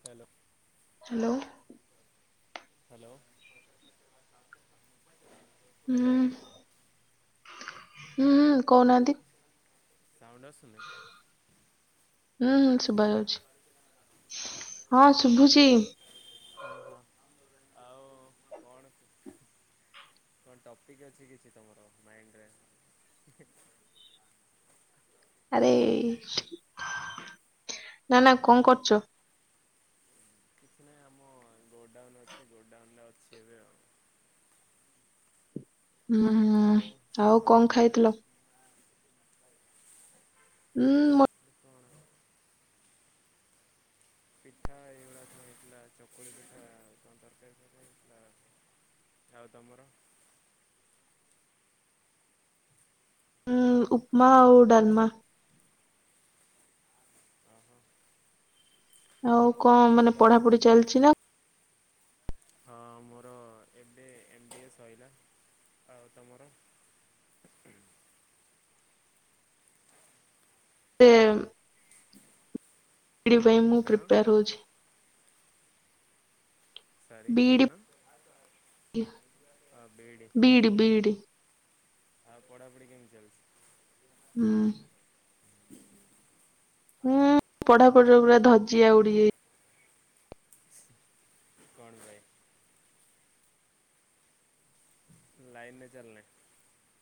Hello. Hello. Hello. ହୁଁ hello ହୁଁ କହୁନାହାନ୍ତି? ସାଉଣ୍ଡ ଆସୁନି ହୁଁଁ ହୁଁ ଶୁବା ଶୁଭିଲା? ଯାଉଚି ହଁ ଶୁୁଭୁ ଚି। ହଁ ହଁ ଆଉ କଣ? କଣ ଟପିକ ଅଛି କିଛି ତମର ମାଇଣ୍ଡରେ। ଆରେ। ନା ନା କଣ କରୁଛ? କିଛି ନାହିଁ ଆମ ଗୋଡାଉନ ଅଛି ଗୋଡାଉନରେ ଅଛି ଏବେ ଆଉ। ହୁଁ ହୁଁ ଆଉ ଆଉ ତମର କଣ ଖାଇଥିଲ? ଚାଲିଛି? ହୁଁ ମତ ଖାଇଥିଲି କଣ ପିଠା ଏଇଭଳିଆ କଣ ହେଇଥିଲା ଚକୁଳି ପିଠା ଆଉ କଣ ତରକାରୀ ହେଇଥିଲା। ଆଉ ତମର। ଉ ଉପମା ଆଉ ଡାଲମା। ଓହୋ ଆଉ କଣ ମାନେ ସକାଳ ପଢାପଢି ଚାଲିଛି ନା। ହଁ ମୋର ଏବେ ଏମ ବି ଏ ସଇଲା ଆଉ ତମର। ହୁଁ [inaudible] ଏମ୍। ବି ଡି ପାଇଁ ମୁଁ କଣ ପ୍ରିପେୟାର ହଉଚି। ସରି କଣ? BEd BEd BEd. ଆଉ ପଢାପଢି କେମିତି ଚାଲିଛି। ହୁଁ। ହୁଁ ପଢାପଢିର ପୁରା ଧଜିଆ ଉଡିଯାଇ କଣ ପାଇଁ। ଲାଇନରେ ଚାଲିନି।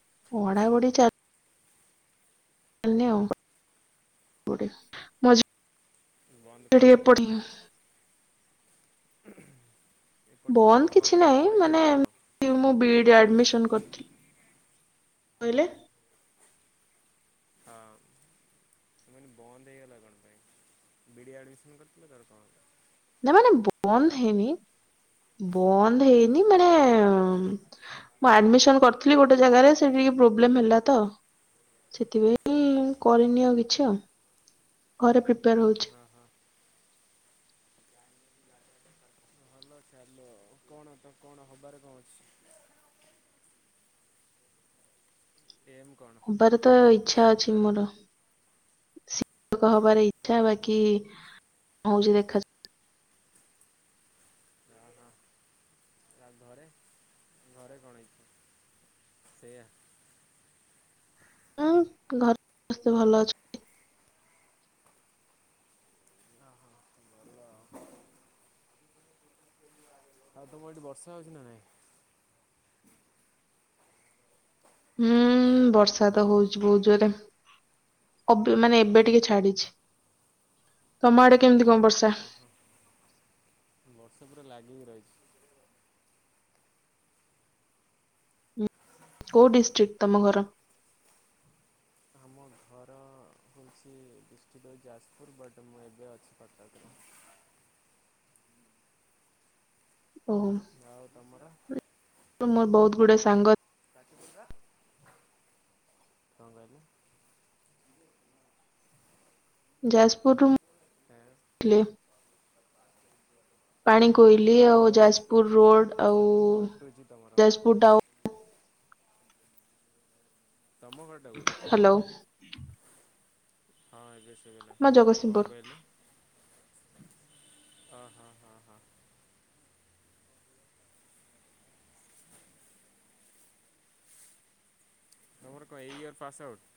[unintelligible] ଚଳିନି ଆଉ ଗୋଟେ ମଝି ବନ୍ଦ କଣ ଟିକେ ଟିକେ ପାଇଁ ପଢି। ଏପଟ ସେପଟ ମାନେ ବନ୍ଦ କଣ କିଛି କୁଆଡ଼େ ନାହିଁ ପଳେଇଥିଲା ମାନେ ନା କଣ ଏମତି ମୁଁ ବିଇଡି ବୁଲାବୁଲି ଆଡମିସନ କରିଥିଲି। କହିଲେ। ହଁ। ମାନେ ବନ୍ଦ ହେଇଗଲା କଣ ପାଇଁ ବିଡି ଆଡମିସନ କରିଥିଲେ ତାର କଣ ହେଲା। ନା ମାନେ ବନ୍ଦ ହେଇନି ବନ୍ଦ ହେଇନି ମାନେ। ମୁଁ ଆଡମିସନ କରିଥିଲି ଗୋଟେ ଜାଗାରେ ସେଠି ଟିକେ ପ୍ରୋବ୍ଲେମ ହେଲା ତ। ସେଥିପାଇଁ କରିନି ଆଉ କିଛି ଆଉ ଘରେ ପ୍ରିପେୟାର ହଉଛି। ହଁ ହଁ ହଉ ଚାଲୁ ଆଉ କଣ ତ କଣ ହବାର କଣ ଅଛି। ଏମ୍ ହବାରେ ତ ଇଚ୍ଛା ଅଛି ମୋର। ହ ଶିକ୍ଷକ ହବାର ଇଛା ବାକି କଁ ହଉଛି ଦେଖାଯାଉ। ହଁ ହଁ ଆଉ ଘରେ ଘରେ କଣ ହେଇଛି ସେୟା। ଉଁ ଘରେ ସମସ୍ତେ ଭଲ ଅଛନ୍ତି। ଭଲ ଆଉ ଆଉ ତମର ସେଠି ବର୍ଷା ହଉଛି ନା ନାଇଁ। ହୁଁ ବର୍ଷା ହ୍ୟାଲୋ ତ ହଉଛିି ବହୁତ ଜୋରେ। ଅବି ମାନେ ଏବେ ଟିକେ ଛାଡିଛି। ତମ ଆଡେ କେମିତି କଣ ବର୍ଷା। ଓହୋ ବର୍ଷା ପୁରା ଲାଗିକି ରହିଛି। ହୁଁ କେ ଡିଷ୍ଟ୍ରିକ୍ଟ ତମ ଘର। ଆମ ଘର। ହଉଛି ଡିଷ୍ଟ୍ରିକ୍ଟ ହଉଚି ଯାଜପୁର ବଟ୍ ମୁଁ ଏବେ ଅଛି କଟକରେ। ଓହୋ। ଆଉ ତମର? ରୁ ମୋର ବହୁତ ଗୁଡେ ସାଙ୍ଗ। କଁ କହିଲେ। ଯାଜପୁରରୁ ଏଁ ଥିଲେ। ପାଣି ତମ କୋଇଲି ଆଉ ଆବାଜ ଯାଜପୁର କ ରୋଡ ଆଉ। କଟ କଟୁଛି ତମର। ଯଜପୁର ଟାଉନ। ତମ ଘର ଟା କୋଉଠି ହ୍ୟାଲୋ ହଁ ଏବେ। ହେଇଗଲା ଆମ କଁ ଜଗତସିଂହପୁର କହିଲ। ଅ ହଁ ହଁ ହଁ ହଁ। ତମର କଣ ଏଇ ଇୟର ପାସ ଆଉଟ।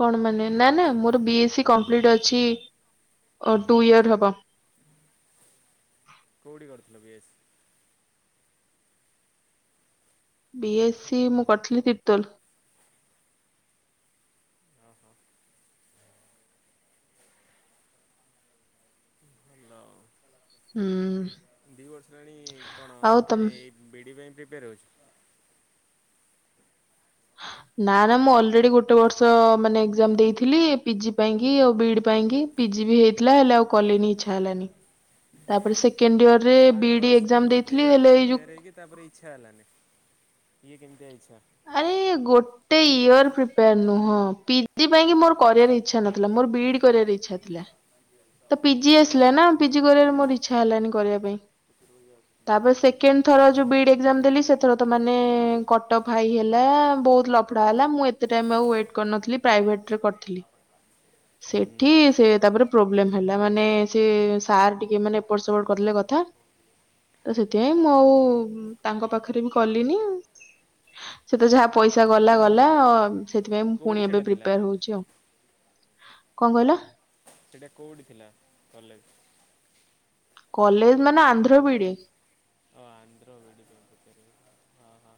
କଣ ମାନେ ନା ନା ହ୍ୟାଲୋ। ମୋର ବି ଏ ସି କମ୍ପ୍ଲିଟ ଅଛି। ଅ ଟୁ ଇୟର ହବ। କୋଉଠି କରିୁଥିଲ ବିଏସି। ବି ଏସ୍ ସି ମୁଁ କରିଥିଲି ତିର୍ତୋଲ। ହଁ ହଁ। [unintelligible] ହୁଁ ଦି ବର୍ଷ ହେଲାଣି କଣ ଆଉ ଏ ତମ ଏଇ ବିଡି ପାଇଁ ପ୍ରିପାରେ ହଉଚ। [inaudible] ନା ନା ମୁଁ ଅଲରେଡି ଗୋଟେ ବର୍ଷ ମାନେ ଏକ୍ଜାମ ଦେଇଥିଲି ପିଜି ପାଇଁକି ଆଉ ବି ପାଇଁକି। ପିଜି ବି ହେଇଥିଲା ହେଲେ ଆଉ କଲିନି ଇଚ୍ଛା ହେଲାନି। ତାପରେ ସେ ମାନେ ୱାନ୍ ବର୍ଷ ଗୋଟେ ଇୟର୍ ହେଲେ ଏଇ ଯୋଉ ପ୍ରିପେୟାର ହେଇକି ତାପରେ ଇଚ୍ଛା ହେଲାନି। ଇଏ କେମିତିଆ ଇ ଆରେ ଗୋଟେ ଇୟର ପ୍ରିପେୟାର ନୁହଁ। ପିଜି ପାଇଁ କି ମୋର କରିବାରେ ଇଚ୍ଛା ନଥି ଥିଲା ମୋର ବିଇଡି କରିବାର ଇଛା ଥିଲା। ତ ପିଜି ଅହ ଆସିଲା ନା ପିଜି କରିବାରେ ମୋର ଇଚ୍ଛା ହେଲାନି କରିବା ପାଇଁ। ତାପରେ ସେକେଣ୍ଡ ଥର ଯଉ ବି ଇ ଡି ଏଜ୍ଜାମ୍ ଦେଲି ସେଥର ତ ମାନେ କଟଫାଇ ହେଲା ବହୁତ ଲଫଡ଼ା ହେଲା ମୁଁ ଏତେ ଟାଇମ୍ ଆଉ ୱେଟ୍ କରିନଥିଲି ପ୍ରାଇଭେଟ୍ ଟ୍ ରେ କରିଥିଲି। ହୁଁ ସେଠି ସେ ତାପରେ ପ୍ରୋବ୍ଲେ ହେଲା ମାନେ ସେ ସାର୍ ଟି ମାନେ ଏପଟ ସେପଟ କରିଦେଲେ କଥା ତ ସେଥିପାଇଁ ମୁଁ ଅହ ଆଉ ତାଙ୍କ ପାଖରେ ବି କଲିନି। ସେ ତ ଯାହା ପଇସା ଗଲା ଗଲା ସେଥିପାଇଁ ମୁଁ କୋଉଠି ପୁଣି ଏବେ ସେଇଟା ଥିଲା ପ୍ରିପିୟାର ହଉଛି ଆଉ। କଣ କହିଲ? ସେଟା କୋଉଠି ଥିଲା କଲେଜ? କଲେଜ ମାନେ ଆନ୍ଧ୍ର ବି ଇ ଡି। ଓ ଆନ୍ଧ୍ର ବି ଇ ଡି। ଓ ହୋ।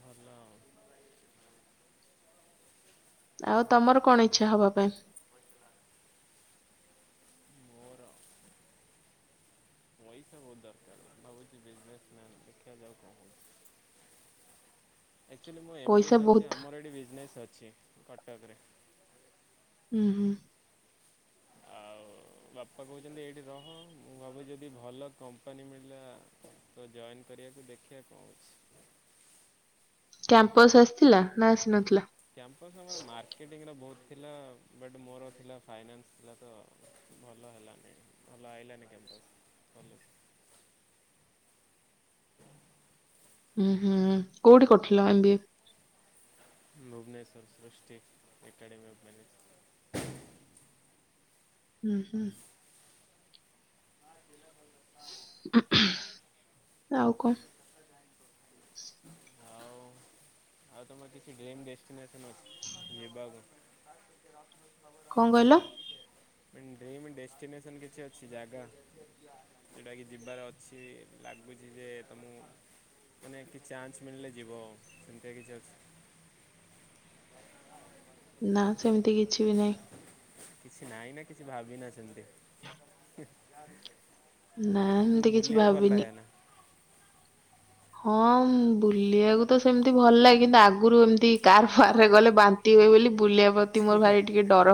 ଭଲ ଆଉ। ଆଉ ତମର କଣ ଇଚ୍ଛା ହବା ପାଇଁ? ମୋର ପଇସା ବହୁତ ଦରକାର ଭାବୁଛି ବିଜନେସ ମ୍ୟାନ। ଦେଖା ଯାଉ କଣ ହଉଚି। [inaudible] ଆକଚୁଆଲି ମୁଁ ଏମ ବି ଏ ପଇସା ସରିଚି। ବହୁତ ଆମର ଏଠି ବିଜନେସ୍ ଅଛି କଟକରେ। ଉଁ ହୁଁ। ଆଉ ବାପା କହୁଛନ୍ତି ଏଇଠି ରହ। ମୁଁ ଭାବୁଚି ଯଦି ଭଲ କମ୍ପାନୀ ମିଳିଲା ତ ଜଏନ୍ କରିବାକୁ ଦେଖିବା କଣ ହଉଚି। କ୍ୟାମ୍ପସ ଆସିଥିଲା ନା ଆସିନଥିଲା? କ୍ଯାମ୍ପସ ଆମର ମାର୍କେଟ ବହୁତ ଥିଲା ବଟ୍ ମୋର ଥିଲା ଫାଇନାନ୍ସ୍ ଥିଲା ତ ଭଲ ହେଲାନି। ଆଇଲାନି କ୍ଯାମ୍ପସ୍। [unintelligible] ଉଁ ହୁଁ। କୋଉଠି କରିଥିଲ ଏମ ବି ଏ? ଭୁବନେଶ୍ଵର ସୃଷ୍ଟି ଏକାଡେମୀ ଅଫ୍। [unintelligible] ଉଁ ହୁଁ। ଆଉ କଣ? ଆଉ ଆଉ ତମର କିଛି ଡ୍ରିମ୍ ଡେଷ୍ଟଟିନସନ ଅଛି ଯିବା କୁ? କଣ କହିଲ? ଡ୍ରିମ ଡେଷ୍ଟିନେସନ କିଛି ଅଛି ଜାଗା। ଯଉଟା କି ଯିବାର ଅଛି ଲାଗୁଛି ଯେ ତମକୁ ମାନେ କିଛି ଚାନ୍ସ ମିଳିଲେ ଯିବ। [unintelligible] ନା ସେମିତି କିଛି ବି ନାହିଁ। କିଛି ନହିଁ ନା କିଛି ଭାବିନା ସେମିତି। ନା ମାନେ ହେମିତି କିଛି ବୁଲିବାକୁ ଭଲ ଭାବିନି। ଲାଗେ ନା ହଁ ବୁଲିବାକୁ ତ ସେମିତି ଭଲ ଲାଗେ। କିନ୍ତୁ ଆଗରୁ ଏମିତି କାର ଫାର ରେ ଗଲେ ବା ନ୍ତି ହୁଏ ବୋଲି ବୁଲିବା ପ୍ରତି ମୋର ଛେହେ ଭାରି ଟିକେ ଡର।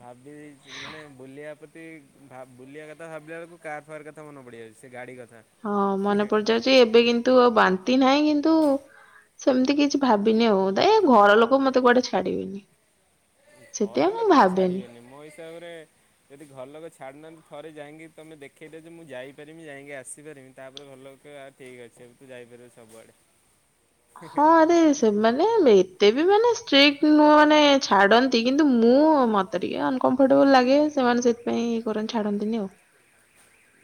ଭାବି ଦେଇଛି ମାନେ ବୁଲିବା ଭା ବୁଲିବା କଥା ଭାବିଲା ବେଳକୁ କାର୍ ଫାର୍ କଥା ମନେ ପଡିଯାଉଚି ସେ ଗାଡି କଥା। ହଁ ମନେ ପଡିଯାଉଚି। ଏବେ କିନ୍ତୁ ଆଉ ବାନ୍ତି ନାହିଁ କିନ୍ତୁ ସେମିତି କିଛି ଭାବିନି ଆଉ ତ ଏ ଘର ଲୋକ ମତେ କୁଆଡେ ଛାଡିବେନି। ସେଥିପାଇଁ ଘର ମୁଁ ଲୋକ ତ ଭାବେନି। ଛାଡ଼ିବେନି। ମୋ ହିସାବରେ ଯଦି ଘର ଲୋକ ଛାଡ଼ୁନାହାନ୍ତି ଥରେ ଯାଇକି ତମେ ଦେଖେଇ ଦିଅ ଯେ ମୁଁ ଯାଇପାରମି ଯାଇକି ଆସିପାରମି ତାପରେ ଘର ଲୋକ କହୀବେ ହ ଠିକ୍ ଅଛି। ଏବେ ତୁ ଯାଇ ପାରିବୁ ସବୁଆଡ଼େ। ହଁ ଆରେ ସେ ମାନେ ଏଵେ ଏତେବି ମାନେ ଷ୍ଟ୍ରିକ ନୁହଁ ମାନେ ଛାଡନ୍ତି କିନ୍ତୁ ମୁଁ ମତେ ଟିକେ ଅନକମ୍ଫଟେବୁଲ ଲାଗେ ସେ ସେମାନେ ସେଥିପାଇଁ ଇଏ କରନ୍ତି ଛାଡନ୍ତିନି ଆଉ।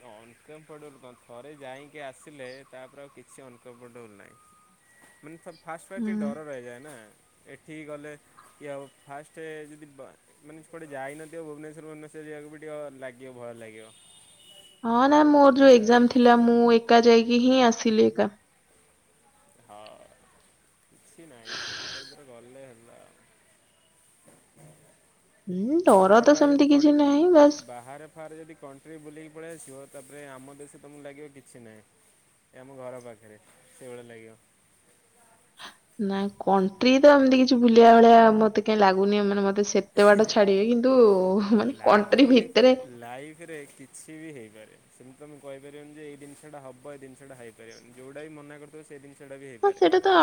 ହଁ। ଅନକମ୍ଫର୍ଟେବୁଲ କଣ ଥରେ ଯାଇକି ଆସିଲେ ତାପରେ ଆଉ କିଛି ଅନକମ୍ଫ୍ର୍ଟେବୁଲ ନାହିଁ। ମାନେ ସବ ଫାଷ୍ଟ ଫାଷ୍ଟ ଟିକେ ହୁଁ। ଡର ରହିଯାଏ ନା ଏଠିକି ଗଲେ କିଏ ଆଉ ଫାଷ୍ଟ ଯଦି ବ ମାନେ କୁଆଡ଼େ ଯାଇନଥିବ ଭୁବନେଶ୍ଵର ଫୁବନେଶ୍ୱର ଯା କୁ ବି ଟିକେ ଲାଗିବ ଭୟ ଲାଗିବ। ହଁ ନା ମୋର ଯୋଉ ଏକ୍ଜାମ ଥିଲା ମୁଁ ଏକା ଯାଇକି ହିଁ ଆସିଲି ଏକା। ହଁ କିଛି ନାହିଁ ଥରେ ଦିଥର ଗଲେ ହେ ହୁଁ ଡର ବାହାର ତ ଫାର ସେମିତି ଯଦି କିଛି ନାହିଁ କଣ୍ଟ ବାସ୍ ବାହାର ଫାରେ ଯଦି କଣ୍ଟ୍ରି ବୁଲିକି ପଳେଇ ଆସିବ ତାପରେ ଆମ ଦେଶ ତମକୁ ଲାଗିବ କିଛି ନାହିଁ। ଏଇ ଆମ ଘର ପାଖରେ ସେଇଭଳିଆ ଲାଗିବ। ନା କଣ୍ଟ୍ରି ତ ଏମିତି କିଛି ବୁଲିବା ଭଳିଆ ମତେ କାଇଁ ଲାଗୁନି ଏମାନେ ମତ ସେତବାଟ ଛାଡିବେ କିନ୍ତୁ ମାନେ କଣ୍ଟ୍ରି ଲାଗୁନି ଭିତରେ ଲାଇଫରେ କିଛି ବି ହେଇପାରେ। ସେମିତି ତମେ କହିପାରିବନ ଯେ ଏଇ ଜିନିଷଟା ହବ ଏଇ ଜିନିସଟା ହେଇପାରିବନି ଯୋଉଟା ବି ମନା କରିଥିବ ସେଇ ଜିନ ହଁ ସେଇଟା ତ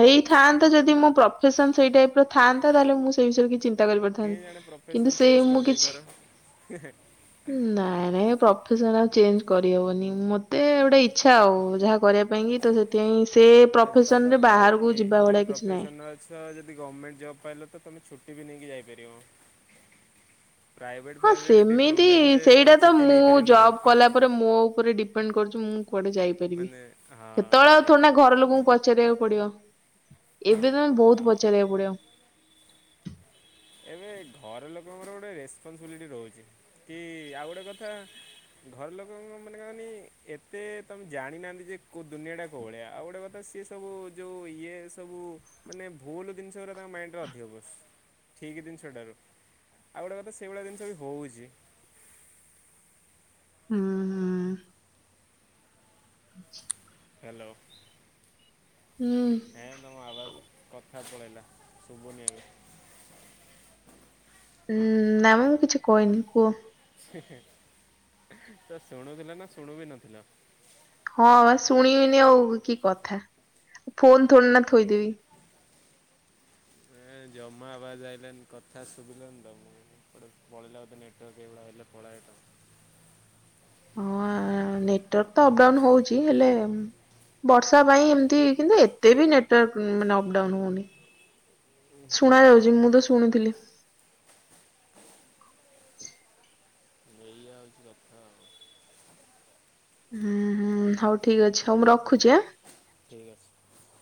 ହେଇଥାନ୍ତା ଯଦି ମୁଁ ପ୍ର ଫେସନ ସେଇ ଟାଇପର ଥାନ୍ତା ତାହେଲେ ମୁଁ ସେ ବିଷୟରେ କି ଚି କେ ଜଣେ ପ୍ରୋଫେସନ ଚେଞ୍ଜ କରି କିଛି ଦେଇପାର ନାଇଁ ନାଇଁ ପ୍ରଫେସର ଆଉ ଚେଞ୍ଜ କରିହବନି ମତେ ଗୋଟେ ଇଚ୍ଛା ଆଉ ଯାହା କରିବା ପାଇଁ କି ତ ସେଥିପାଇଁ ସେ ତମେ ପ୍ରଫେସନ ତ ରେ ଗଭ୍ ବାହାରକୁ ମେ ଯିବା ଯୋଉ ଭଳିଆ କିଛି ନାହିଁ। ପ୍ରଫେସନରେ ଅଛ ଯଦି ଗଭର୍ଣ୍ଣମେଣ୍ଟ ଜବ୍ ପାଇଲ ତ ତମେ ଛୁ ଠିବି ନେଇକି ଯାଇପାରିବ। ପ୍ରାଇଭେଟ୍ ହଁ ଫ୍ରାଇଭେଟ୍ ଟିକେ ସେମିତି ପ୍ରୋବ୍ଲେମ୍ ଯେ ତୁମେ ସେଇଟା ତ ଛୁଟି ମୁଁ ନେଇପାରିବନି ଜବ ବହୁତ କଲା ପରେ ମୋ ଉପରେ ଡିପେଣ୍ଡ କରୁଛି ମୁଁ କୁଆଡେ ଯାଇପାରିବି। ମାନେ ହଁ ସେତେବେଳେ ଆଉ ସେଇଟା ଥୋଡି ନା ହେଉଛି ଘର ଲୋକଙ୍କୁ ପଚାରିବାକୁ ପଡିବ। ଏବେ ତ ତମେ ବହୁତ ହଁ ପଚାରକୁ ପଡିବ। ଏବେ ଘର ଲୋକଙ୍କର ଗୋଟେ ରେସପନସିବିଲିଟି ରହୁଛି। କି ଆଉ ଗୋଟେ କଥା ଘର ଲୋକଙ୍କ ମାନେ କହନି ଏତେ ତମେ ଜାଣିନାହାନ୍ତି ଯେ କୋଉ ଦୁନିଆ ଟା କୋଉ ଭଳିଆ ଆଉ ଗୋଟେ କଥା ସେ ସି ସବୁ ଯେଉଁ ଇଏ ସବୁ ମାନେ ଭୁଲ ଜିନିଷ ଗୁଡ଼ା ତାଙ୍କ ମାଇଣ୍ଡରେ ଅଧିକ ବସ୍ ଠିକ ଜିନିଷଟାରୁ ଆଉ ଗୋଟେ କଥା ସେଇଭଳିଆ ଜିନିଷ ବି ହଉଛି ହୁଁ ହୁଁ। ହ୍ୟାଲୋ। ହୁଁ। ନାଇଁ ତମ ଆବାଜକୁ [unintelligible] ଠିକ୍ ଠାକ୍ ପଳାଇଲା ଶୁଭୁନି ଉୁଁ ନାମ ମୁ କିଛି କହିନୀ କୁହ? ହି ହିଁ ତ ଶୁଣୁଥିଲ ନା ଶୁଣୁ ବି ନଥିଲ? ହଁ ବା ଶୁଣିବିନି ଆଉ କି କଥା ଫୋନ ଥୋଡି ନା ଥୋଇଦେବି। ହୁଁ। ଜମା ଆବାଜ ଆଇିଲାନି କଥା ଶୁଭିଲାନି ତ ମୁଁ ଗୋଟେ ପଳେଇଲା ବୋଧେ ନେଟୱାର୍କ ଏଇଭଳିଆ ହେଲେ ପଳାଏ ହମ୍ମ ହଁ ନେଟୱାର୍କ ତ ଅପଡାଉନ୍ ହଉଛି ହେଲେ ବର୍ଷା ପାଇଁ ଏମିତି କିନ୍ତୁ ଏତେ ବି ନେଟୱାର୍କ ମାନେ ଅପଡାଉନ ହଉନି। ଶୁଣା ଯାଉଛି ମୁଁ ହଁ ତ ଶୁଣିୁଥିଲି। ଏଇଆ ହେଉଛି କଥା ଆଉ ହୁଁ ହୁଁ ହଉ ଠିକ ଅଛି। ହଉ ମୁଁ ରଖୁଛି ଆଁ ଠିକ୍ ଅଛି।